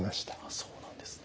そうなんですね。